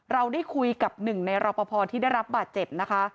เราได้คุยกับหนึ่งในรอปภที่ได้รับบาดเจ็บนะคะ